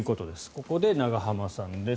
ここで永濱さんです。